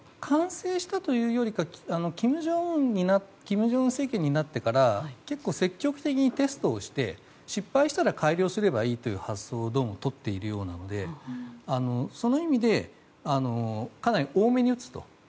完成したというよりか金正恩政権になってから結構、積極的にテストをして失敗したら改良すればいいという発想をどうもとっているようなのでその意味でかなり多めに撃つと。